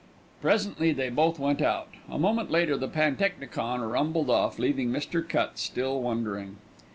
Presently they both went out. A moment later the pantechnicon rumbled off, leaving Mr. Cutts still wondering.